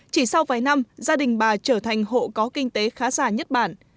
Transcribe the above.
chỉ sau vài năm gia đình bà trở thành hộ có kinh tế khá già nhất bản